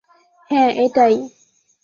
হ্যাঁ, এটাই।